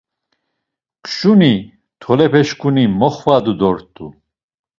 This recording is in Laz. Kşuni, tolepeçkuni moxvadu dort̆u.